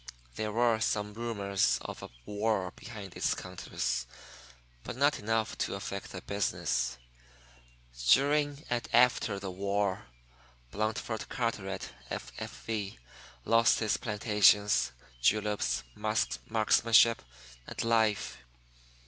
There were some rumors of a war behind its counters, but not enough to affect the business. During and after the war, Blandford Carteret, F.F.V., lost his plantations, juleps, marksmanship, and life.